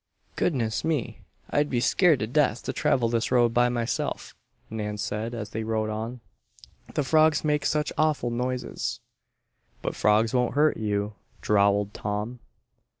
"Goodness me! I'd be scared to death to travel this road by myself," Nan said, as they rode on. "The frogs make such awful noises." "But frogs won't hurt you," drawled Tom.